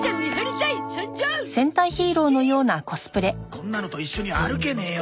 こんなのと一緒に歩けねえよ。